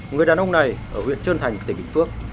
người đàn ông này ở huyện trơn thành tỉnh bình phước